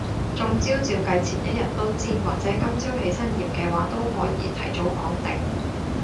中招照計前一日都知，或者今朝起身驗嘅話都可以提早講定